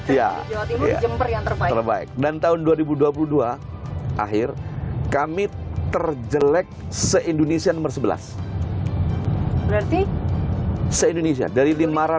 ya ini jember yang terbaik dan tahun dua ribu dua puluh dua akhir kami terjelek se indonesia nomor sebelas berarti se indonesia dari lima ratus